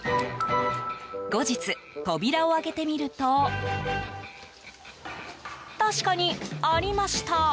後日、扉を開けてみると確かにありました。